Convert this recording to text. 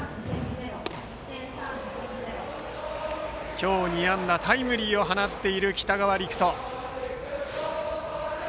今日２安打タイムリーを放っている北川陸翔。